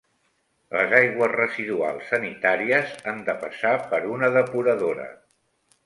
Les aigües residuals sanitàries han de passar per una depuradora.